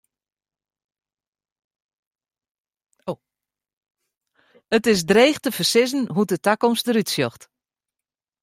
It is dreech te foarsizzen hoe't de takomst der út sjocht.